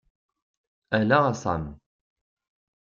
Ala a Sam!